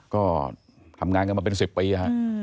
ก็ทำงานกันมาเป็น๑๐ปีฮะ